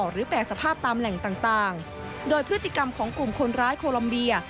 แปดสภาพตามแหล่งต่างโดยพฤติกรรมของกลุ่มคนร้ายโคลอมเบีย